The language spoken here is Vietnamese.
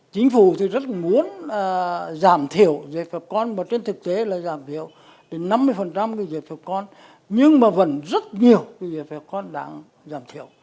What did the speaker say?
chính phủ thì rất muốn giảm thiểu việt cộng và trên thực tế là giảm thiểu đến năm mươi của việt cộng nhưng mà vẫn rất nhiều của việt cộng đang giảm thiểu